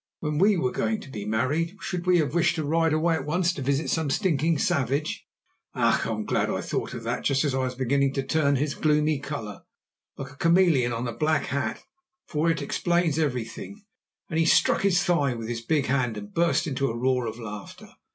When we were going to be married, should we have wished to ride away at once to visit some stinking savage? Ach! I am glad I thought of that just as I was beginning to turn his gloomy colour, like a chameleon on a black hat, for it explains everything," and he struck his thigh with his big hand and burst into a roar of laughter.